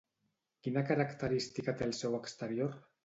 Quina característica té el seu exterior?